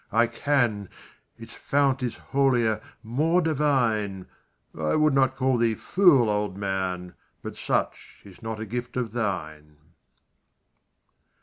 I can Its fount is holier more divine I would not call thee fool, old man, But such is not a gift of thine.